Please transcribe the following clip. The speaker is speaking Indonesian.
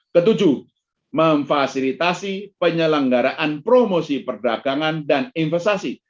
ketujuh memfasilitasi penyelenggaraan promosi perdagangan dan investasi